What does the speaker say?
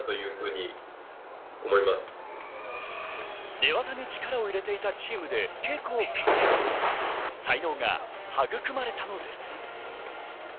寝技に力を入れていたチームで稽古を重ね、才能が育まれたのです。